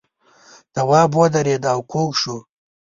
تواب ودرېد او کوږ شو.